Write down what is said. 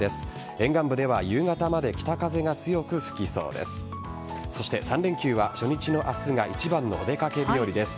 沿岸部では夕方まで北風が強く吹きそうです。